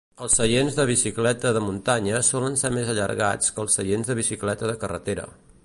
Els seients de bicicleta de muntanya solen ser més allargats que els seients de bicicleta de carretera.